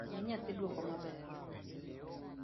Mi nyathi duoko maber